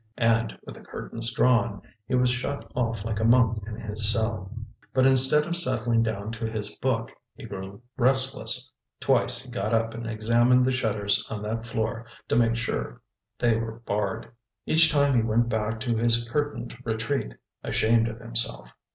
And with the curtains drawn, he was shut off like a monk in his cell. But instead of settling down to his book, he grew restless. Twice he got up and examined the shutters on that floor to make sure they were barred. Each time he went back to his curtained retreat, ashamed of himself.